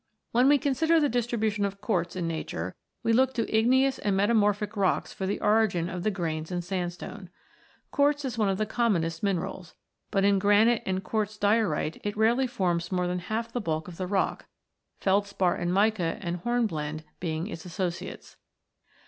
When we consider the distribution of quartz in nature, we look to igneous and metamorphic rocks for the origin of the grains in sandstone. Quartz is one of the commonest minerals ; but in granite and quartz diorite it rarely forms more than half the bulk of the rock, felspar and mica and hornblende being its associates.